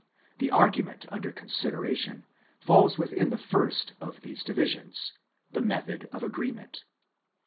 The argument under consideration falls within the first of these divisions, the Method of Agreement.